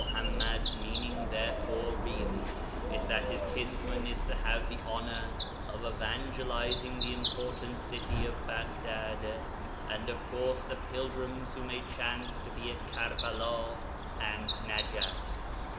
]ammad's meaning therefore really is that his kinsman is to have the honour of evangelizing the important city of Baghdad, and of course the pilgrims who may chance to be at Karbala and Nejef.